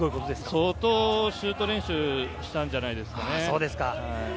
相当シュート練習したんじゃないですかね。